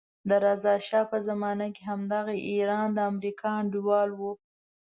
د رضا شا په زمانه کې همدغه ایران د امریکا انډیوال وو.